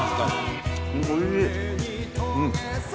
おいしい。